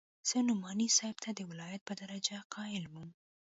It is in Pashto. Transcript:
زه نعماني صاحب ته د ولايت په درجه قايل وم.